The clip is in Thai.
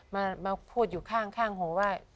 มาพูดอยู่ข้างหูว่า